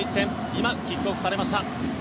今、キックオフされました。